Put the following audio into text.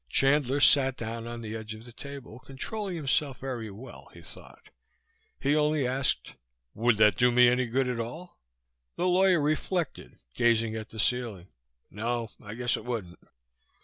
Chandler sat down on the edge of the table, controlling himself very well, he thought. He only asked: "Would that do me any good at all?" The lawyer reflected, gazing at the ceiling. "... No. I guess it wouldn't."